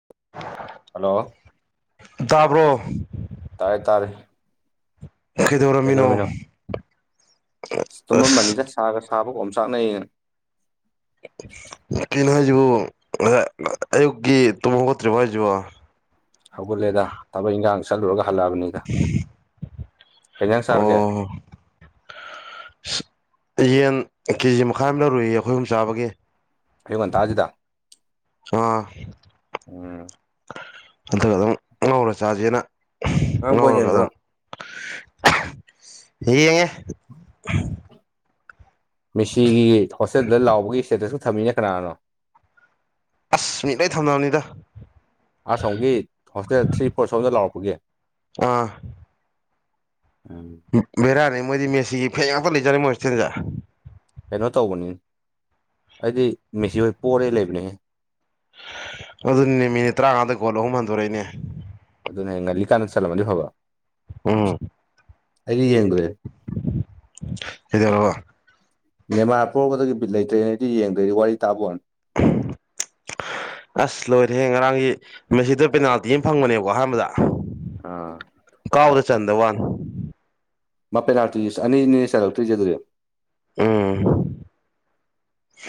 [inaudible] hello ꯇꯥꯕ꯭ꯔꯣ ꯇꯥꯔꯦ ꯇꯥꯔꯦ ꯀꯩꯗꯧꯔꯝꯃꯤꯅꯣ ꯀꯩꯗꯔꯃꯤꯅꯣ ꯑ ꯑꯁ ꯇꯨꯝꯃꯝꯕꯅꯤꯗ ꯁꯥꯒ ꯁꯥꯕꯒꯝ ꯆꯥꯛꯅꯩꯌꯦꯩꯅ ꯀꯩꯅ ꯍꯥꯏꯖꯤꯕꯨ ꯑꯌꯨꯛꯀꯤ ꯇꯨꯝ ꯍꯧꯠꯇ꯭ꯔꯤꯕꯣ ꯍꯥꯏꯖꯕꯨ ꯍꯧꯒꯠꯂꯦꯗ ꯊꯕꯛ ꯏꯪꯈꯥꯡ ꯆꯠꯂꯨꯔꯒ ꯍꯜꯂꯛꯑꯕꯅꯤꯗ ꯀꯩꯩꯅꯪ ꯆꯥꯔꯒꯦ ꯑꯣ ꯌꯦꯟ ꯀꯦꯖꯤ ꯃꯈꯥꯏ ꯑꯃ ꯂꯧꯔꯨꯏꯌꯦ ꯑꯩꯈꯣꯏ ꯑꯨꯝ ꯆꯥꯕꯒꯤ ꯑꯩꯡꯉꯟ ꯇꯥꯁꯤꯗ ꯑꯥ ꯎꯝ ꯑꯗꯨꯒ ꯑꯗꯨꯝ ꯉꯧꯔ ꯆꯥꯁꯤꯦꯅ ꯉꯔꯥꯡ ꯕꯣꯜ ꯉꯧꯔꯒ ꯌꯦꯡꯗ꯭ꯔꯣ ꯑꯗꯨꯝ ꯌꯦꯡꯉꯦ ꯃꯤꯁꯤꯒꯤ ꯍꯣꯁꯇꯦꯜꯗ ꯂꯥꯎꯕꯒꯤ ꯁ꯭ꯇꯦꯇꯁꯁꯨ ꯊꯝꯃꯤꯅꯦ ꯀꯅꯥꯅꯣ ꯑꯁ ꯃꯤꯠꯂꯩ ꯊꯝꯅꯕꯅꯤꯗ ꯑꯁꯣꯝꯒꯤ ꯍꯣꯁꯇꯦꯜ ꯊ꯭ꯔꯤ ꯐꯣꯔ ꯁꯣꯝꯗ ꯂꯥꯎꯔꯛꯄꯒꯤ ꯑꯥ ꯎꯝ ꯕꯦꯔꯥꯅꯤ ꯃꯣꯏꯗꯤ ꯃꯦꯁꯤꯒꯤ ꯐ‌ꯦꯟ ꯉꯥꯛꯇ ꯂꯩꯖꯥꯠꯅꯤ ꯃꯣꯏ ꯍꯣꯇꯦꯜꯗ ꯀꯩꯅꯣ ꯇꯧꯕꯅꯤ ꯑꯩꯗꯤ ꯃꯤꯁꯤꯍꯣꯏ ꯄꯣꯔꯦꯅ ꯂꯩꯕꯅꯤꯍ‌ꯦ ꯑꯗꯨꯅꯦꯃꯤ ꯃꯤꯅꯤꯠ ꯇꯔꯥꯃꯉꯥꯗ ꯒꯣꯜ ꯑꯍꯨꯝ ꯍꯟꯗꯣꯔꯛꯏꯅꯦ ꯑꯗꯨꯅ‌ꯦ ꯉꯜꯂꯤꯀꯥꯟꯗ ꯆꯠꯂꯝꯃꯅꯤ ꯐꯕꯥ ꯑꯩꯗꯤ ꯌꯦꯡꯗ꯭ꯔꯦ ꯏꯗꯔꯔꯕ [unintelligible] ꯅꯦꯃꯥꯔ ꯄꯣꯔꯛꯄꯗꯒꯤ ꯕꯤꯠ ꯂꯩꯇ꯭ꯔꯦꯅ ꯑꯩꯗꯤ ꯌꯦꯡꯗ꯭ꯔꯦ ꯋꯥꯔꯤ ꯇꯥꯕ ꯋꯥꯅꯤ ꯑꯁ ꯂꯣꯏꯔꯦꯍꯦ ꯉꯔꯥꯡꯒꯤ ꯃꯁꯤꯗꯨ ꯄꯦꯅꯥꯜꯇꯤ ꯑꯃ ꯐꯪꯕꯅꯦꯕꯀꯣ ꯑꯍꯥꯟꯕꯗ ꯑꯥ ꯀꯥꯎꯕꯗ ꯆꯟꯗ ꯋꯥꯅꯤ ꯃꯥ ꯄꯦꯅꯥꯜꯜꯇꯤ ꯑꯅꯤꯅ‌ꯦ ꯆꯜꯔꯛꯇꯔꯤꯖ‌ꯦ ꯑꯗꯨꯗꯤ ꯎꯝ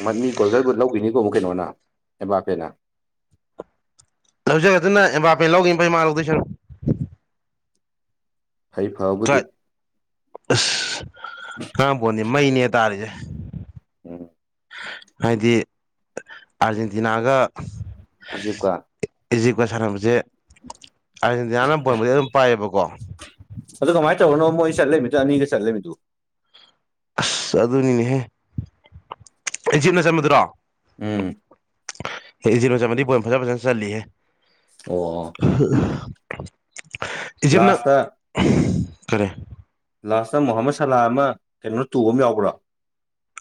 ꯃ ꯃꯤ ꯒꫭꯜꯗꯜ ꯕꯨꯠ ꯂꯧꯒꯤꯅꯤ ꯀ [unintelligible] ꯀꯩꯅꯣꯅ ꯑꯦꯝꯕꯥꯄꯦꯅ ꯂꯧꯖꯔꯒꯖꯅꯨ ꯑꯦꯝꯕꯥꯕꯦ ꯂꯧꯒꯤꯅ ꯂꯧꯒꯤꯕꯅ ꯐꯩ ꯃꯥꯅ ꯂꯧꯗꯣꯏꯁꯔꯨꯛ ꯐꯩ ꯐꯕꯨꯗꯤ ꯀꯥꯏ ꯑꯁ ꯉꯔꯥꯡꯕꯣꯟꯗꯤ ꯃꯩꯅꯦꯍ‌ꯦ ꯇꯥꯔꯤꯁꯦ ꯎꯝ ꯍꯥꯏꯗꯤ ꯑꯥꯔꯖꯦꯟꯇꯤꯅꯥꯒ ꯏꯖꯤꯞꯀ ꯏꯖꯤꯛꯄ ꯁꯥꯟꯅꯕꯁꯦ ꯑꯥꯔꯖꯦꯟꯇꯤꯅꯥꯅ ꯕꫭꯟꯕꯨꯗꯤ ꯑꯗꯨꯝ ꯄꯥꯏꯌꯦꯕꯀꯣ ꯑꯗꯨ ꯀꯃꯥꯏꯅ ꯇꯧꯔꯒꯅꯣ ꯃꯣꯏ ꯆꯠꯂꯃꯤꯗꯨ ꯑꯅꯤꯒ ꯆꯠꯂꯃꯤꯗꯨ ꯑꯁ ꯑꯗꯨꯅꯤꯅꯦꯍꯦ ꯏꯖꯤꯞꯅ ꯆꯟꯕꯗꯨꯔꯣ ꯎꯝ ꯑꯦ ꯏꯖꯤꯞꯅ ꯆꯟꯕꯗꯤ ꯕꯣꯜ ꯐꯖ ꯐꯖꯅ ꯆꯠꯂꯤꯍꯦ ꯑꯣ ꯑꯣ ꯏꯖꯤꯞꯅ ꯂꯥꯁꯇ ꯀꯔꯤ ꯂꯥꯁꯇ ꯃꯣꯍꯥꯃꯠ ꯁꯂꯥ ꯑꯃ ꯀꯩꯅꯣ ꯇꯨꯕ ꯑꯃ ꯌꯥꯎꯕ꯭ꯔꯥ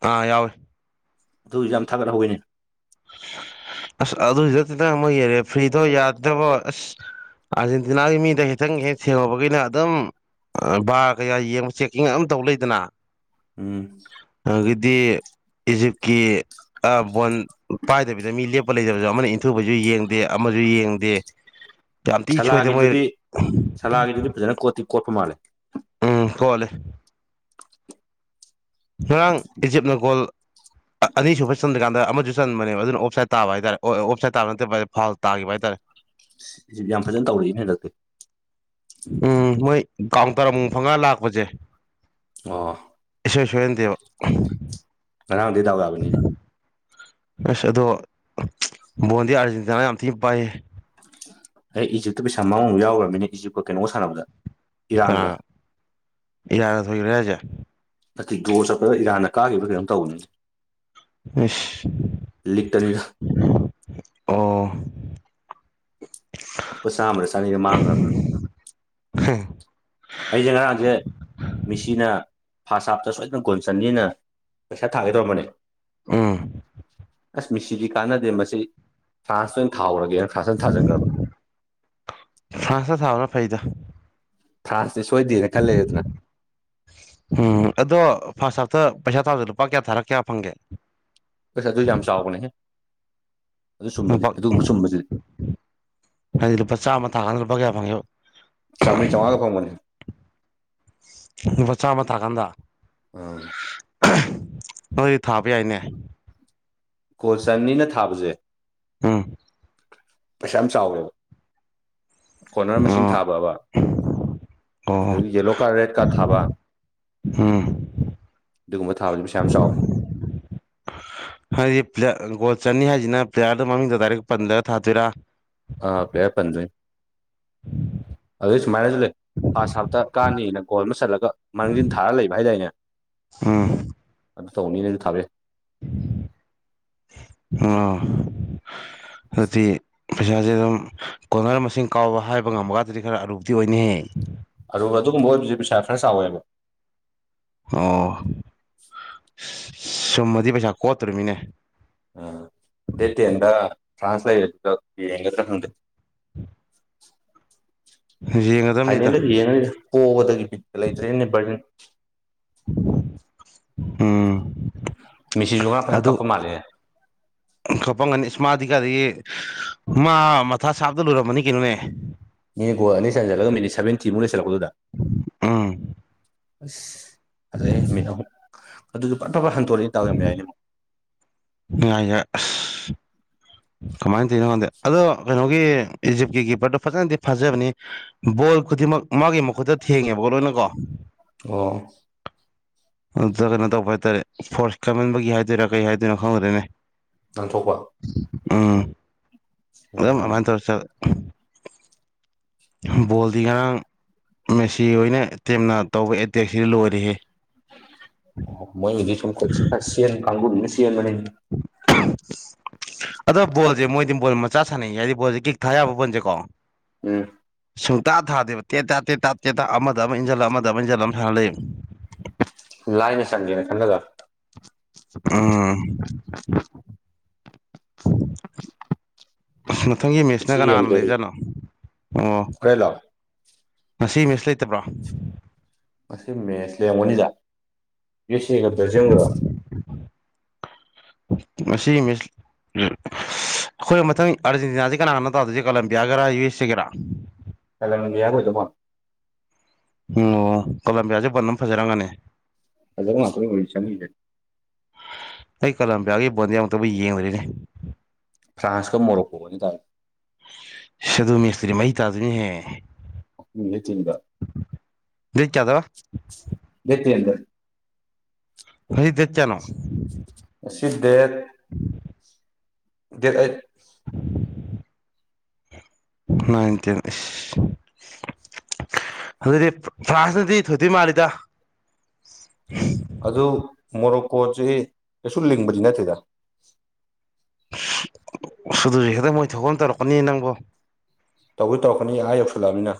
ꯑꯥ ꯌꯥꯎꯋꯤ ꯑꯗꯨꯏꯁꯨ ꯌꯥꯝ ꯊꯥꯒꯠꯍꯧꯋꯤꯅꯦ ꯑꯁ ꯑꯗꯨꯗ ꯈꯤꯇꯪ ꯑꯃꯨꯛ [unintelligible] ꯌꯦꯔꯦ ꯐ꯭ꯔꯤꯗꯣ ꯌꯥꯗꯕ ꯑꯁ ꯑꯥꯔꯖꯦꯟꯇꯤꯅꯥꯒꯤ ꯃꯤꯗ ꯈꯤꯇꯪ ꯍꯦꯛ ꯊꯦꯡꯉꯄꯒꯤꯅ ꯑꯗꯨꯝ ꯕꯥꯔ ꯀꯩꯀꯥ ꯌꯦꯡꯕ ꯆꯦꯛꯀꯤꯡ ꯑꯗꯨꯝ ꯌ‌ꯦꯡ ꯂꯩꯗꯅ ꯎꯝ ꯑꯗꯒꯤꯗꯤ ꯏꯖꯤꯞꯀꯤ ꯑꯥ ꯕꯣꯟ ꯄꯥꯏꯗꯕꯤꯗ ꯃꯤ ꯂꯦꯞ ꯑꯄ ꯂꯩꯇꯕꯁꯨ [unintelligible] ꯑꯃꯅ ꯏꯟꯊꯨꯕꯁꯨ ꯌꯦꯡꯗꯦ ꯑꯃꯁꯨ ꯌꯦꯡꯗꯦ ꯌꯥꯝꯊꯤ ꯁꯣꯏꯗ ꯃꯣꯏ ꯐꯖꯅꯤ [unintelligible] ꯀꫭꯠꯇꯤ ꯀꯣꯠꯄ ꯃꯥꯜꯂꯦ ꯎꯝ ꯀꯣꯠꯂꯦ ꯉꯔꯥꯡ ꯏꯖꯤꯞꯅ ꯒꯣꯜ ꯑꯅꯤꯁꯨꯕ ꯆꯟꯗ꯭ꯔꯀꯥꯟꯗ ꯑꯃꯁꯨ ꯆꯟꯕꯅꯦꯕ ꯑꯗꯨꯅ ꯑꯣꯞꯁꯥꯏꯠ ꯇꯥꯕ ꯍꯥꯏꯇꯥꯔꯦ ꯑꯣꯞ ꯁꯥꯏꯠ ꯇꯥꯕ ꯅꯠꯇꯕ ꯐꫭꯜ ꯇꯥꯈꯤꯕ ꯍꯥꯏꯇꯥꯔꯦ ꯏꯁ ꯌꯥꯝ ꯐꯖꯅ ꯇꯧꯔꯛꯏꯅ‌ꯦ ꯍꯟꯗꯛꯇꯤ ꯎꯝ ꯃꯣꯏ ꯀꯥꯎꯟꯇꯔ ꯑꯃꯨꯛ ꯐꯪꯉꯒ ꯂꯥꯛꯄꯁꯦ ꯑꯣ ꯏꯁꫭꯏ ꯁꯦꯏꯍꯟꯗ‌ꯦꯕ ꯉꯔꯥꯡꯗꯤ ꯗꯥꯎ ꯌꯥꯕꯅꯤꯅꯦ ꯑꯁ ꯑꯗꯣ ꯕꯣꯟꯗꯤ ꯑꯥꯔꯖꯦꯟꯇꯤꯅꯥꯅ ꯌꯥꯝ ꯊꯤꯅ ꯄꯥꯏꯌꯦ ꯑꯩ ꯏꯖꯤꯞꯇꯨ ꯄꯩꯁꯥ ꯃꯑꯣꯅꯕ ꯌꯥꯎꯈ꯭ꯔꯕꯅꯤꯅ ꯏꯖꯤꯞꯀ ꯀꯩꯅꯣ ꯁꯥꯟꯅꯕꯗ ꯏꯔꯥꯟꯒ ꯀꯅꯥꯅ ꯏꯔꯥꯒ ꯊꯣꯛꯈ꯭ꯔꯦꯁꯦ [unintelligible] ꯅꯠꯇꯦ ꯗꯔꫭ ꯆꯠꯄꯗ ꯏꯔꯥꯟꯅ ꯀꯥꯈꯤꯕ ꯀꯩꯅꯣꯝ ꯇꯧꯕꯅꯤꯅꯦ ꯑꯁ ꯂꯤꯛꯇꯅꯤꯗ ꯑꯣ ꯂꯨꯄꯥ ꯆꯥꯝꯃꯗ ꯆꯥꯅꯤꯗ ꯃꯥꯡꯈ꯭ꯔꯕꯅꯤ ꯑꯩꯁꯦ ꯉꯔꯥꯡꯁꯦ ꯃꯤꯁꯤꯅ ꯐꯥꯁꯥꯞꯇ ꯁꯣꯏꯗꯅ ꯒꯨꯣꯟ ꯆꯟꯅꯤꯅ ꯄꯩꯁꯥ ꯊꯥꯒꯗꯧꯔꯝꯕꯅꯦ ꯎꯝ ꯑꯁ ꯃꯤꯁꯤꯗꯤ ꯀꯥꯟꯅꯗꯦ ꯃꯁꯤ ꯐ꯭ꯔꯥꯟꯁꯇ ꯑꯣꯏꯅ ꯊꯥꯎꯔꯒꯦꯅ ꯐ꯭ꯔꯥꯟꯁ ꯑꯣꯏꯅ ꯊꯥꯖꯤꯟꯈ꯭ꯔꯕ ꯐꯁ ꯊꯕꯅ ꯐꯩꯗ ꯊ꯭ꯔꯥꯁꯇꯤ ꯁꯣꯏꯗꯦꯅ ꯈꯜꯂꯦ ꯑꯗꯨꯅ ꯎꯝ ꯑꯗꯣ ꯐꯥꯔꯁ ꯍꯥꯞꯇ ꯄꯩꯁꯥ ꯊꯥꯕꯁꯤꯗ ꯂꯨꯄꯥ ꯀꯌꯥ ꯊꯥꯔꯛ ꯀꯌꯥ ꯐꯪꯒꯦ ꯑꯁ ꯑꯗꯨ ꯌꯥꯝ ꯆꯥꯎꯕꯅꯦꯍꯦ ꯑꯗꯨ ꯆꯨꯝꯕꯗꯤ ꯂꯨꯄꯥ ꯑꯗꯨꯒꯨꯝꯕ ꯆꯨꯝꯕꯁꯤꯗꯤ ꯍꯥꯏꯗꯤ ꯂꯨꯄꯥ ꯆꯥꯝꯃ ꯊꯥꯀꯥꯟꯗ ꯂꯨꯄꯥ ꯀꯌꯥ ꯐꯪꯉꯦꯕ ꯆꯥꯝꯃꯔꯤ ꯆꯥꯝꯃꯉꯥꯒ ꯐꯪꯕꯅꯤ ꯅꯨ ꯆꯥꯃ ꯇꯔꯀꯥꯟꯗ ꯎꯝ ꯅꯣꯏꯗꯤ ꯊꯥꯕ ꯌꯥꯏꯅꯦ ꯀꯣꯜ ꯆꯟꯅꯤꯅ ꯊꯥꯕꯁꯦ ꯎꯝ ꯄꯩꯁꯥ ꯌꯥꯝ ꯆꯥꯎꯋꯦꯕ ꯀꯣꯅꯔ ꯃꯁꯤꯡ ꯑꯣ ꯊꯥꯕꯑꯕ ꯑꯗꯨ ꯑꯣ ꯌꯦꯂꯣ ꯀꯥꯔ ꯔꯦꯠ ꯀꯥꯔ ꯊꯥꯕ ꯎꯝ ꯑꯗꯨꯒꯨꯝꯕ ꯊꯥꯕꯁꯤꯁꯨ ꯄꯩ ꯌꯥꯝ ꯆꯥꯎꯋꯦ ꯍꯥꯏꯗꯤ꯭ꯂ ꯒꯣꯜ ꯆꯠꯅꯤ ꯍꯥꯏꯁꯤꯅ ꯄ꯭ꯂꯦꯌꯥꯔꯗ ꯃꯃꯤꯡꯗ ꯗꯥꯏꯔꯦꯛ ꯄꯟꯗꯒ ꯊꯥꯗꯣꯏꯔꯥ ꯑ ꯀꯦ ꯄꯖꯦ [unintelligible] ꯑꯗꯨꯗ ꯁꯨꯃꯔꯦꯖ ꯂꯩꯦ ꯐꯥꯔꯁ ꯍꯥꯞꯇ ꯀꯥꯅꯤꯅ ꯒꯣꯜ ꯑꯃ ꯆꯠꯂꯒ ꯃꯥꯡꯖꯤꯟ ꯊꯥꯔꯒ ꯂꯩꯕ ꯍꯥꯏꯗꯥꯏꯅꯦ ꯎꯝ ꯇꯧꯅꯤꯅ ꯑꯩꯗꯤ ꯊꯥꯕꯤꯩ ꯑ ꯑꯗꯨꯗꯤ ꯄꯩꯁꯥꯁꯦ ꯑꯗꯨꯝ ꯀꯣꯅꯔ ꯃꯁꯤꯡ ꯀꯥꯎꯕ ꯍꯥꯏꯕ ꯉꯝꯕꯒꯗꯗꯤ ꯈꯔ ꯑꯔꯨꯛꯇꯤ ꯑꯣꯏꯅꯅꯤꯍꯦ ꯑꯗꯨꯒ ꯑꯗꯨꯒꯨꯝꯕ ꯑꯣꯏꯕꯁꯦ ꯄꯩꯁꯥ ꯈꯔ ꯆꯥꯎꯋꯦꯕ ꯑꯣ ꯁꯨꯝꯃꯗꯤ ꯄꯩꯁꯥ ꯀꯣꯠꯇꯣꯃꯤꯅꯦ ꯑꯦꯇꯦꯟ ꯐ꯭ꯔꯥꯟꯁ ꯂꯥꯏꯠꯇꯣ ꯌꯦꯡ ꯎꯝ ꯐꯥꯏꯅꯦꯜꯗ ꯌꯦꯡꯉꯅꯤꯗ ꯀꯣꯕꯗꯒꯤ ꯄꯤꯠꯇ ꯂꯩꯇ꯭ꯔꯦꯅꯦ ꯕꯔꯂꯤꯟ ꯎꯝ ꯃꯤꯁꯤꯁꯨ ꯉꯔꯥꯡ ꯐ ꯌꯥꯝ ꯑꯗꯨ ꯀꯞꯄ ꯃꯥꯜꯂꯦ ꯈꯣꯄꯝꯒꯅꯤ ꯏꯁꯃꯥꯔꯠ ꯀꯤꯀꯥꯗꯒꯤ ꯃꯥ ꯃꯊꯥ ꯁꯥꯞꯇ ꯂꯣꯏꯔꯃꯅꯤ ꯀꯩꯅꯣꯅꯦ ꯃꯤ ꯣ ꯑꯅꯤꯩ ꯆꯟꯖꯠꯂꯒ ꯃꯤꯠꯅꯤ ꯁꯚꯦꯟꯇꯤ ꯃꯣꯂꯦ ꯆꯠꯂꯀꯗꯗ ꯎꯝ ꯑꯁ ꯑꯗꯩ ꯃꯤꯠ ꯑꯍꯨꯝ ꯑꯗꯨꯁꯨ ꯐꯠ ꯐꯕꯠ ꯍꯟꯗꯣꯔꯛꯏ ꯇꯥꯔꯝ ꯌꯥ ꯍꯥꯏꯏꯅꯤ ꯅꯨꯡꯉꯥꯏꯌꯦꯛ ꯀꯃꯥꯏꯅ ꯇꯧꯅꯣ ꯈꯪꯗꯦ ꯑꯗꯣ ꯀꯩꯅꯣꯒꯤ ꯏꯖꯤꯞꯀꯤ ꯀꯤꯞꯄꯔꯗꯣ ꯐꯖꯅꯗꯤ ꯐꯥꯖꯕꯅꯤ ꯕꯣꯜ ꯈꯨꯗꯤꯡꯃꯛ ꯃꯥꯒꯤ ꯃꯈꯨꯠꯇ ꯊꯦꯡꯉꯦꯕꯀ ꯂꯣꯏꯅꯀꯣ ꯑꯣ [unintelligible] ꯑꯗꯨꯗ ꯀꯩꯅꯣ ꯇꯧꯕ ꯍꯥꯏꯇꯥꯔꯦ ꯐꯣꯔꯁ ꯀꯃꯟꯕꯒꯤ ꯍꯥꯏꯗꯣꯏꯔꯥ ꯀꯩ ꯍꯥꯏꯗꯣꯏꯅꯣ ꯈꯪꯉꯗ꯭ꯔꯦꯅꯦ ꯉꯥꯡꯊꯣꯛꯄ ꯎꯝ ꯑꯗꯨ ꯎꯝ ꯃꯥꯏꯠꯇꯁ ꯕꯣꯜꯗꯤ ꯉꯔꯥꯡ ꯃꯦꯁꯤ ꯑꯣꯏꯅ ꯇꯤꯦꯝꯅ ꯇꯧꯕ ꯑꯦꯇꯦꯛꯁꯤ ꯂꯣꯏꯔꯤꯍꯦ ꯃꯣꯏ ꯁꯦꯟ ꯀꯥꯡꯪꯨꯔ ꯁꯤꯟ ꯃ [unintelligible] ꯑꯗꯣ ꯕꯣꯜꯖꯦ ꯃꯣꯏꯗꯤ ꯕꯣꯜ ꯃꯆꯥ ꯁꯥꯟꯅꯩꯌꯦ ꯍꯥꯏꯗꯤ ꯕꯣꯜꯁꯦ ꯀꯤꯛ ꯊꯥ ꯌꯥꯕ ꯕꯣꯜꯖꯦꯀꯣ ꯎꯝ ꯁꯨꯡꯇꯥ ꯊꯥꯗꯦꯕ ꯇꯦꯠ ꯇꯥ ꯇꯦꯠ ꯇ ꯇꯦꯠ ꯇ ꯑꯃꯗ ꯑꯃ ꯏꯟꯖꯜ ꯑꯃꯗ ꯑꯃ ꯏꯟꯁꯤꯜ ꯑꯃ ꯁꯥꯟꯅ ꯂꯩꯌꯦꯕ ꯂꯥꯏꯅ ꯆꯟꯒꯦꯅꯥ ꯈꯜꯂꯒ ꯎꯝ ꯃꯊꯪꯒꯤ ꯕꯤꯠꯁꯨ ꯃꯦꯁꯅ ꯀꯅꯥ ꯀꯅ ꯂꯩꯕꯖꯥꯠꯅꯣ ꯑꯣ ꯍꯣꯔꯦꯜꯂꯣ ꯉꯁꯤ ꯃꯦꯁ ꯂꯩꯇꯕ꯭ꯔꯣ ꯉꯁꯤ ꯃꯦꯁ ꯂꯡꯉꯅꯤꯗ ꯌ ꯁꯤ ꯑꯦꯒꯇ ꯌꯦꯡꯈꯨꯔꯣ ꯉꯥꯁꯤ ꯃꯦꯁ ꯎ ꯑꯩꯈꯣꯏ ꯃꯊꯪ ꯑꯥꯔꯖꯦꯟꯇꯤꯅꯥꯁꯤ ꯀꯅꯥꯒꯅꯣ ꯇꯥꯗꯣꯏꯁꯦ ꯀꯂꯝꯕꯤꯌꯥꯒꯔꯥ ꯌꯨ ꯑꯦꯁ ꯑꯦꯒꯥꯔꯥ ꯀꯂꯝꯕꯤꯌꯥ ꯑꯣꯏꯗꯧ ꯃꯥꯜꯂꯦ ꯑꯣ ꯑꯣ ꯀꯂꯝꯕꯤꯌꯥꯁꯦ ꯕꯣꯜ ꯑꯗꯨꯝ ꯐꯖꯔꯥꯔꯝꯒꯅꯤ ꯐꯥꯖꯕ ꯉꯥꯛꯇꯅꯤ ꯀꯩꯅꯣ ꯍꯧꯖꯤꯛ ꯆꯪꯉꯤꯁꯦ ꯑꯩ ꯀꯂꯝꯕꯤꯌꯥꯒꯤ ꯕꯣꯟꯗꯤ ꯑꯝꯇꯕꯨ ꯌꯦꯡꯗ꯭ꯔꯤꯅꯦ ꯐ꯭ꯔꯥꯟꯁꯀ ꯃꯣꯔꯣꯀꯣꯒꯥꯅꯦ ꯇꯥꯗꯨꯏ ꯑꯁ ꯑꯗꯨ ꯃꯦꯁꯇꯨꯗꯤ ꯃꯩ ꯇꯥꯗꯨꯏꯅꯦꯍꯦ ꯃꯤꯌꯦꯛ ꯇꯤꯟꯒ ꯗꯦꯠ ꯀꯌꯥꯗꯕ ꯗꯦꯠ ꯇꯦꯟꯗ ꯉꯥꯁꯤ ꯗꯦꯠ ꯀꯌꯥꯅꯣ ꯉꯥꯁꯤ date date eight nine ten ꯑꯁ ꯑꯗꯨꯗꯤ ꯐ꯭ꯔꯥꯟꯁꯅꯗꯤ ꯊꯣꯏꯗꯤ ꯃꯥꯜꯂꯤꯗ ꯑꯗꯨ ꯃꯣꯔꯣꯛꯀꯣꯁꯦ ꯀꯩꯁꯨ ꯂꯤꯡꯕꯗꯤ ꯅꯠꯇꯦꯗ ꯑꯁ ꯑꯗꯨꯅꯤꯅꯦ ꯃꯣꯏ ꯊꯣꯛꯄ ꯑꯗꯨꯝ ꯇꯧꯔꯛꯀꯅꯤꯅꯦ ꯅꯪꯕꯣ ꯇꯧꯁꯨ ꯇꯧꯔꯛꯀꯅꯤꯌꯦ ꯑꯥ ꯌꯧꯁꯤꯜꯂꯛꯑꯃꯤꯅ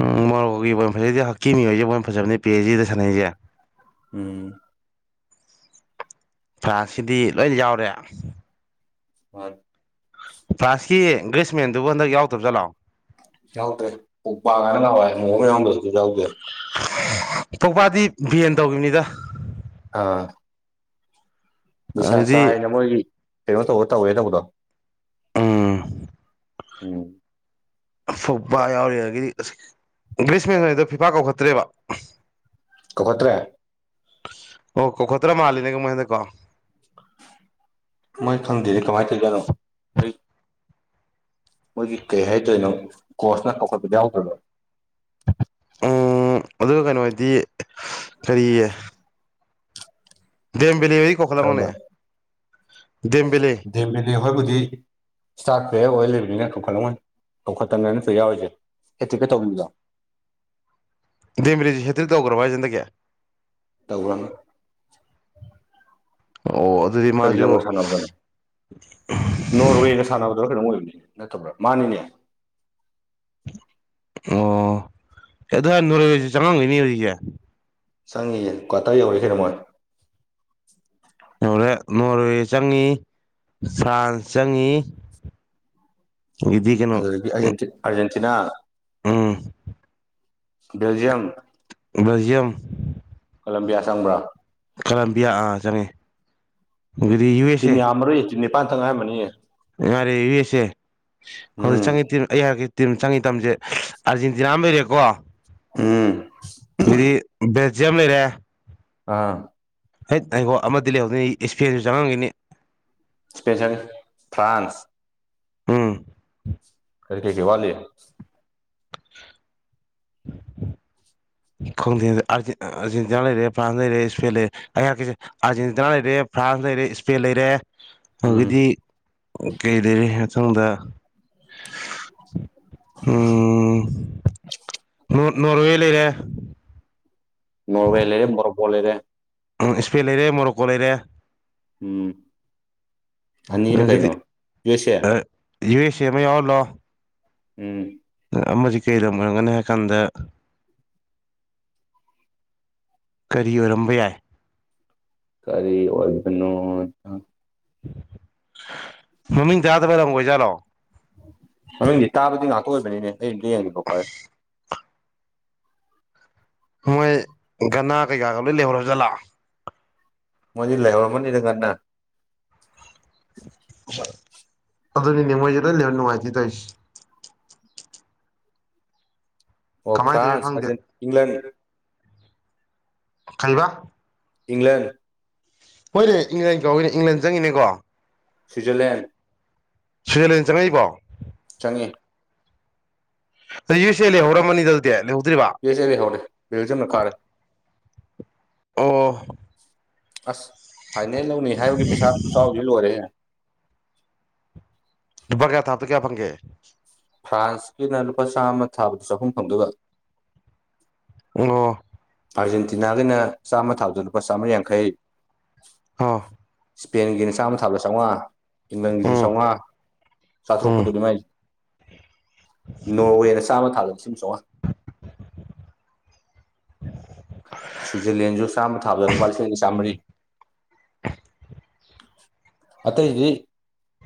ꯎꯝ ꯃꯣꯔꯣꯛꯀꯣꯒꯤ ꯕꯣꯜ ꯐꯖꯩꯁꯦ ꯍꯛꯀꯤꯃꯤ ꯍꯣꯏꯁꯦ ꯕꯣꯜ ꯐꯖꯕꯅꯦ ꯄꯤ ꯑꯦꯁ ꯖꯤꯗ ꯁꯥꯟꯅꯩꯁꯦ ꯎꯝ ꯐ꯭ꯔꯥꯟꯁꯀꯤꯗꯤ ꯂꯣꯏ ꯌꯥꯎꯔꯦ ꯃꯥꯟꯅꯤ ꯐ꯭ꯔꯥꯟꯁꯀꯤ ꯒ꯭ꯔꯦꯁꯃꯦꯟꯗꯨꯕꯨ ꯍꯟꯗꯛ ꯌꯥꯎꯗꯕ ꯖꯥꯠꯂꯣ ꯌꯥꯎꯗ꯭ꯔꯦ ꯄꯣꯛꯕ ꯀꯥꯏꯅ ꯅꯍꯥꯟꯋꯥꯏ ꯅꯣꯡ ꯑꯃ ꯌꯥꯎꯔꯝꯕꯗꯨꯁꯨ ꯌꯥꯎꯗꯦ ꯄꯣꯛꯄꯥꯗꯤ ꯕꯦꯟ ꯇꯧꯈꯤꯕꯅꯤꯗ ꯑꯥ ꯅꯤꯁꯥ ꯑꯗꯨꯗꯤ ꯆꯥꯏꯅ ꯃꯣꯏꯒꯤ ꯀꯩꯅꯣ ꯇꯧꯋꯦ ꯇꯧꯋꯦ ꯇꯧꯕꯗꯣ ꯎꯝ ꯎꯝ ꯄꯣꯛꯕ ꯌꯥꯎꯔꯤ ꯑꯗꯒꯤꯗꯤ ꯑꯁ ꯒ꯭ꯔꯤꯁꯃꯦꯟꯒꯥꯏꯗꯣ ꯐꯤꯐꯥ ꯀꯧꯈꯠꯇ꯭ꯔꯦꯕ ꯀꯧꯈꯠꯇ꯭ꯔꯦ ꯑꯣ ꯀꯧꯈꯠꯇ꯭ꯔ ꯃꯥꯜꯂꯤꯅꯦ ꯃꯣꯏ ꯍꯟꯗꯛ ꯀꯣ ꯃꯣꯏ ꯈꯪꯗꯦꯅꯦ ꯀꯃꯥꯏꯅ ꯇꯧꯔꯤꯖꯥꯠꯅꯣ ꯃꯣꯏꯒꯤ ꯀꯩ ꯍꯥꯏꯗꯣꯏꯅꯣ ꯀꯣꯁꯅ ꯀꯧꯈꯠꯄ ꯌꯥꯎꯗ꯭ꯔꯕ ꯎꯝ ꯑꯗꯨꯒ ꯀꯩꯅꯣ ꯍꯥꯏꯗꯤ ꯀꯔꯤꯌꯦ ꯗꯦꯝꯕꯦꯂꯦ ꯍꯩ ꯗꯤ ꯀꯔꯝꯕ ꯀꯧꯈꯠꯂꯝꯒꯅꯤ ꯗꯦꯝꯕꯦꯂꯦ ꯗꯦꯝꯕꯦꯂꯦ ꯍꯣꯏꯕꯨꯗꯤ ꯏꯁꯇꯥꯔ ꯄ꯭ꯂꯦꯌꯔ ꯑꯣꯏ ꯂꯩꯕꯅꯤꯅ ꯀꯧꯈꯠꯂꯝꯒꯅꯤ ꯀꯧꯈꯠꯇ ꯅꯠꯇ꯭ꯔꯣ ꯌꯥꯎꯔꯤꯁꯦ ꯍꯦꯠ ꯇ꯭ꯔꯤꯛ ꯀꯥꯛ ꯇꯧꯈꯤꯕꯗꯣ ꯗꯦꯝꯕꯦꯂꯦꯁꯤ ꯍꯦꯠꯇ꯭ꯔꯤꯛ ꯇꯧꯈ꯭ꯔꯕꯣ ꯍꯟꯗꯛꯀꯤ ꯇꯧꯒ꯭ꯔꯥꯝꯅꯦ ꯑꯣ ꯑꯗꯨꯗꯤ ꯀꯔꯤ ꯂꯝꯒ ꯃꯥꯁꯨ ꯁꯥꯟꯅꯕꯗꯅꯣ ꯅꯣꯔꯋꯦꯒ ꯁꯥꯟꯅꯕꯗꯔꯣ ꯀꯩꯅꯣ ꯑꯣꯏꯕꯅꯤꯅꯦ ꯅꯠꯇꯕ꯭ꯔꯣ ꯃꯥꯅꯤꯅꯦ ꯑꯣ ꯑꯦ ꯑꯗꯨ ꯍꯥꯟ ꯅꯣꯔꯣꯏꯁ ꯆꯪꯉꯝꯒꯣꯏꯅꯤ ꯍꯧꯖꯤꯛꯁꯦ ꯆꯪꯉꯌꯦ ꯀ꯭ꯋꯥꯇꯔ ꯌꯧꯔꯁꯤꯅ ꯃꯣꯏ ꯅꯣꯔꯋꯦ ꯆꯪꯉꯤ ꯐ꯭ꯔꯥꯟꯁ ꯆꯪꯉꯤ ꯏꯗꯤ ꯀꯅꯣ ꯑꯔꯖꯦꯟꯇꯤꯅꯥ ꯎꯝ ꯕꯦꯜꯖꯤꯌꯝ ꯕꯦꯜꯖꯤꯌꯝ ꯀꯂꯝꯕꯤꯌꯥ ꯆꯪꯕ꯭ꯔꯥ ꯀꯂꯝꯕꯤꯌꯥ ꯑꯥ ꯆꯪꯉꯦ ꯇꯤꯝ ꯌꯥꯝꯃꯔꯨꯏ ꯇꯤꯝ ꯅꯤꯄꯥꯟ ꯊꯪ ꯉꯥꯏꯔꯝꯕꯅꯤꯌꯦ ꯉꯔꯦ ꯌꯨ ꯑꯦꯁꯦ ꯍꯧꯖꯤꯛ ꯎꯝ ꯆꯪꯉꯤ ꯑꯩ ꯍꯥꯏꯥꯛꯀꯤ ꯇꯤꯝ ꯆꯪꯉꯤ ꯇꯝꯁꯦ ꯑꯥꯔꯖꯦꯟꯇꯤꯅꯥ ꯑꯃ ꯂꯩꯔꯦꯀꯣ ꯎꯝ ꯑꯗꯨꯗꯩ ꯕꯦꯜꯖꯤꯌꯝ ꯂꯩꯔꯦ ꯑꯥ ꯍ ꯑꯩꯈꯣ ꯑꯃꯗꯤ ꯂꯩꯍꯧꯗꯅꯤ ꯏꯁꯄꯦꯟꯁꯨ ꯆꯪꯉꯟꯈꯤꯅꯤ ꯏꯁꯄꯦꯟ ꯆꯪꯏ ꯐ꯭ꯔꯥꯟꯁ ꯎꯝ ꯀꯔꯤ ꯀꯦꯔꯤ ꯋꯥꯠꯂꯤ [unintelligible] ꯈꯪꯗꯦ ꯑꯔꯖꯦꯟꯇꯤꯅꯥ ꯂꯩꯔꯦ ꯐ꯭ꯔꯥꯟꯁ ꯂꯩꯔꯦ ꯏꯁꯄꯦꯟ ꯂꯩꯔꯦ ꯑꯩ ꯍꯥꯏꯔꯛ ꯀꯦꯁꯦ ꯑꯥꯔꯖꯦꯟꯇꯤꯅꯥ ꯂꯩꯔꯦ ꯐ꯭ꯔꯥꯟꯁ ꯂꯩꯔꯦ ꯏꯁꯄꯦꯟ ꯂꯩꯔꯦ ꯎꯝ ꯑꯗꯨꯗꯒꯤꯗꯤ ꯀꯩ ꯂꯩꯔꯤ ꯃꯊꯪꯗ ꯎꯝ ꯅꯣꯔꯋꯦ ꯂꯩꯔꯦ ꯅꯣꯔꯋꯦ ꯂꯩꯔꯦ ꯃꯣꯔꯣꯄꯣ ꯂꯩꯔꯦ ꯏꯁꯄꯦꯟ ꯂꯩꯔꯦ ꯃꯣꯔꯣꯛꯀꯣ ꯂꯩꯔꯦ ꯎꯝ ꯑꯅꯤꯅ ꯑꯗꯒꯤꯗꯤ ꯀꯩꯅꯣ ꯌꯨ ꯑꯦꯁ ꯑꯦ ꯌꯨ ꯑꯦꯁ ꯑꯦ ꯑꯃ ꯌꯥꯎꯜꯂꯣ ꯎꯝ ꯑꯃꯗꯤ ꯀꯔꯤ ꯂꯝ ꯑꯣꯏꯔꯝꯒꯅꯤ ꯍꯥꯏ ꯀꯥꯟꯗ ꯀꯔꯤ ꯑꯣꯏꯔꯝꯕ ꯌꯥꯏ ꯀꯔꯤ ꯑꯣꯏꯕꯅꯣ ꯃꯃꯤꯡ ꯆꯥꯗꯕ ꯂꯝꯒꯣꯏꯖꯥꯠꯂꯣ ꯃꯃꯤꯡꯗꯤ ꯇꯥꯕꯗꯤ ꯉꯥꯛꯇ ꯑꯣꯏꯕꯅꯤꯅꯦ ꯑꯩ ꯑꯝꯇꯥ ꯌꯦꯡꯒꯦꯀꯣ ꯄꯥꯏꯌꯣ ꯃꯣꯏ ꯒꯅꯥ ꯀꯩꯀꯥꯒ ꯂꯣꯏ ꯂꯩꯍꯧꯔꯖꯥꯠꯂꯥ ꯃꯣꯏꯗꯤ ꯂꯩꯍꯧꯔꯝꯃꯅꯤꯗ ꯉꯟꯅ ꯑꯗꯨꯅꯤꯅꯦ ꯃꯣꯏꯖꯦ ꯂꯣꯏ ꯂꯩꯍꯧꯔꯦ ꯅꯨꯉꯥꯏꯍꯦ ꯇꯧꯔꯤꯁꯦ ꯑꯣ ꯀꯃꯥꯏꯅ ꯇꯧꯔꯤꯅꯣ ꯐ꯭ꯔꯥꯟꯁ ꯈꯪꯗꯦ ꯑꯦꯟ ꯏꯪꯂꯦꯟ ꯈꯜꯕ ꯏꯪꯂꯦꯟ ꯍꯣꯏꯅꯦ ꯏꯪꯂꯦꯟ ꯀꯧꯏꯅꯦ ꯏꯪꯂꯦꯟ ꯆꯪꯉꯤꯅꯦ ꯀꯣ ꯁꯋꯤꯠꯍꯔꯂꯦꯟ ꯁꯋꯤꯠꯖꯔꯂꯦꯟ ꯆꯪꯉꯛꯏꯕꯣ ꯆꯪꯉꯦ ꯑꯗꯨ ꯌꯨ ꯑꯦꯁ ꯑꯦ ꯂꯩꯍꯧꯔꯝꯃꯅꯤꯗ ꯑꯗꯨꯗꯤ ꯂꯩꯍꯧꯗ꯭ꯔꯤꯕ ꯌꯨ ꯑꯦꯁ ꯑꯦ ꯂꯩꯍꯧꯔꯦ ꯕꯦꯜꯖꯤꯌꯝꯅ ꯀꯥꯔꯦ ꯑꯣ ꯑꯁ ꯐꯥꯏꯅꯦꯜ ꯂꯧꯅꯤ ꯍꯥꯏꯕꯒꯤ ꯄꯩꯁꯥ ꯈꯠꯆꯥꯖꯤ ꯂꯣꯏꯔꯦꯖꯦ ꯂꯨꯄꯥ ꯀꯌꯥ ꯊꯥꯞꯇ ꯀꯌꯥ ꯐꯪꯒꯦ ꯐ꯭ꯔꯥꯟꯁꯀꯤꯅ ꯂꯨꯄꯥ ꯆꯥꯝꯃ ꯊꯥꯕꯗ ꯆꯥꯍꯨꯝ ꯐꯪꯗꯣꯏꯕ ꯑꯣ ꯑꯥꯔꯖꯦꯟꯇꯤꯅꯥꯒꯤꯅ ꯆꯥꯝꯃ ꯊꯥꯗ ꯂꯨꯄꯥ ꯆꯥꯝꯃ ꯌꯥꯡꯈꯩ ꯑꯣꯥ ꯏꯁꯄꯦꯟꯒꯤ ꯆꯥꯝꯃ ꯊꯥꯕ ꯆꯥꯝꯃꯉꯥ ꯏꯤꯡꯒꯪꯒꯤꯁꯨ ꯎꯝ ꯆꯥꯝꯃꯉꯥ ꯎꯝ ꯆꯥꯇ꯭ꯔꯨꯛꯀꯗꯣꯅꯤ ꯃꯥꯏꯁꯦ ꯅꯣꯋꯦꯅ ꯆꯥꯝꯃ ꯊꯥꯗ ꯁꯤ ꯆꯣꯡꯉꯥ ꯁ꯭ꯋꯤꯖꯔꯂꯦꯟꯁꯨ ꯆꯥꯝꯃ ꯊꯥꯕꯗ ꯂꯨꯄꯥ ꯂꯤꯁꯤꯡꯒ ꯆꯥꯝꯃꯔꯤ [inaudible] ꯑꯇꯩ ꯏꯗꯤ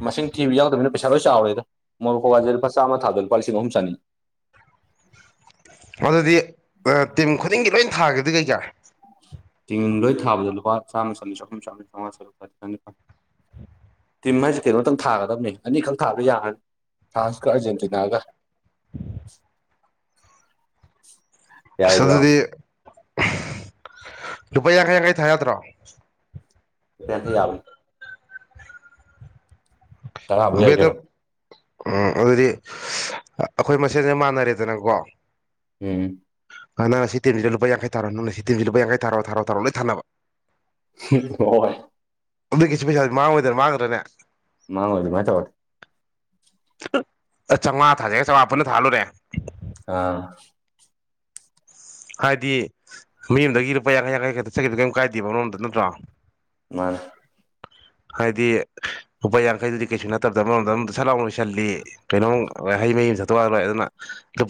ꯃꯁꯤꯡ ꯊꯤꯕ ꯌꯥꯎꯗꯕꯅꯤ ꯄꯩꯁꯥ ꯂꯣꯏ ꯆꯥꯎꯔꯦꯗ ꯃꯣꯔꯣꯛꯀꯋꯥꯁꯦ ꯂꯨꯄꯥ ꯆꯥꯝꯃ ꯊꯥꯗ ꯂꯨꯄꯥ ꯂꯤꯁꯤꯡ ꯑꯍꯨꯝ ꯆꯅꯤ ꯑꯗꯨꯗꯤ ꯇꯤꯝ ꯈꯨꯗꯤꯡꯒꯤ ꯂꯣꯏ ꯊꯥꯒꯗꯤ ꯀꯩ ꯀꯥꯔꯦ ꯆꯦꯡ ꯂꯣꯏ ꯊꯕꯗ ꯂꯨꯄꯥ ꯆꯥꯝꯃ ꯆꯍꯨꯝ ꯆꯥꯝ ꯆꯥꯝꯃꯉꯥꯨꯛ ꯇꯤꯝ ꯍꯥꯏꯁꯦ ꯀꯩꯅꯣꯝꯇꯪ ꯊꯥꯒꯗꯕꯅꯤ ꯑꯅꯤꯈꯛ ꯊꯥꯕ ꯌꯥꯔꯅꯤ ꯐꯥꯟꯁ ꯑꯔꯖꯦꯟꯇꯤꯅꯥꯒ ꯎꯝ ꯑꯁ ꯌꯥꯔꯣꯏꯗ꯭ꯔꯣ ꯑꯗꯨꯗꯤ ꯂꯨꯄꯥ ꯌꯥꯡꯈꯩ ꯌꯥꯡꯈꯩ ꯊꯥ ꯌꯥꯗ꯭ꯔꯣ ꯇ ꯊ ꯇꯔꯥꯕꯨ ꯌꯥꯏ ꯕꯦꯗ ꯀꯩꯅꯣ ꯎꯝ ꯑꯗꯨꯗꯤ ꯑꯩꯈꯣꯏ ꯃꯁꯦꯟꯁꯦ ꯃꯥꯟꯅꯔꯦꯗꯅꯀꯣ ꯎꯝ ꯑ ꯅꯪ ꯁꯤ ꯇꯝꯁꯤ ꯂꯨ ꯌꯥꯈꯩ ꯊꯔꯣ ꯅꯪ ꯁꯤ ꯇꯤꯁꯤ ꯂꯨ ꯌꯥꯡꯈꯩ ꯊꯔꯣ ꯊꯔꯣ ꯇꯔꯣ ꯂꯣꯏ ꯊꯥꯟꯅꯕ ꯍꯣꯏ ꯑꯛꯀꯤꯁꯤ ꯄꯩꯁꯥꯗꯤ ꯃꯥꯡꯉꯗꯅ ꯃꯥꯡꯈ꯭ꯔꯅꯦ ꯃꯥꯉ ꯃꯥ ꯆꯧ ꯆꯥꯝꯃꯉꯥ ꯊꯥꯖꯒꯦ ꯆꯥꯃꯉꯥ ꯄꯨꯟꯅ ꯊꯥꯜꯂꯨꯔꯦ ꯑꯥ ꯍꯥꯏꯗꯤ ꯃꯌꯨꯝꯗꯒꯤ ꯂꯨꯄꯥ ꯌꯥꯡꯈꯩ ꯌꯥꯡꯈꯩ ꯈꯛꯇ ꯆꯠꯈꯤꯕꯗꯨꯣ ꯀꯩꯝ ꯀꯥꯏꯗꯦꯕ ꯅꯣꯝꯇ ꯅꯠꯇ꯭ꯔꯣ ꯃꯥꯅꯦ ꯍꯥꯏꯗꯤ ꯂꯨꯄꯥ ꯌꯥꯡꯈꯩꯗꯨꯗꯤ ꯀꯩꯁꯨ ꯅꯠꯇꯕꯗ ꯑꯃꯔꯣꯝꯗ ꯑꯃꯝ ꯁ ꯂꯥꯎ ꯂꯣꯏꯁꯤꯜꯂꯤ ꯀꯩꯅꯣꯝ ꯍꯩ ꯃꯍꯨꯝ ꯆꯠꯇꯣꯛ ꯋꯥꯂꯣꯏ ꯑꯗꯨꯅ